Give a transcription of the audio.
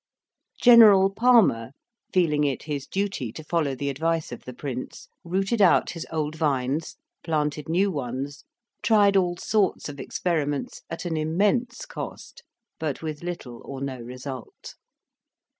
General Palmer, feeling it his duty to follow the advice of the Prince, rooted out his old vines, planted new ones, tried all sorts of experiments at an immense cost, but with little or no result.